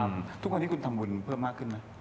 ทุกวันนี้คุณทำบุญเพิ่มมากขึ้นไหม